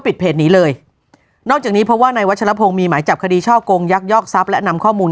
ปิดเพจนี้เลยนอกจากนี้เพราะว่าในวัชลพงศ์มีหมายจับคดีช่อกงยักยอกทรัพย์และนำข้อมูล